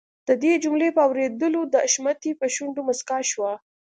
د دې جملې په اورېدلو د حشمتي په شونډو مسکا شوه.